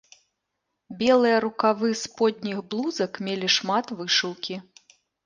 Белыя рукавы сподніх блузак мелі шмат вышыўкі.